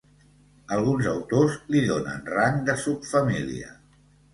Alguns autors li donen rang de subfamília.